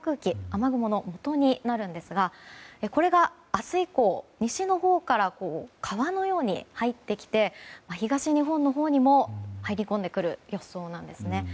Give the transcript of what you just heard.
雨雲のもとになるんですがこれが明日以降、西のほうから川のように入ってきて東日本のほうにも入り込んでくる予想なんですね。